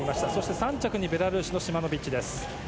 ３着にベラルーシのシマノビッチです。